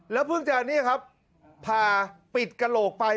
แล้วเพิ่งจะผ่าปิดกระโหกไป